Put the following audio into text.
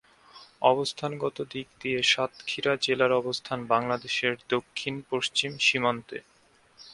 অবস্থানগত দিক দিয়ে সাতক্ষীরা জেলার অবস্থান বাংলাদেশের দক্ষিণ-পশ্চিম সীমান্তে।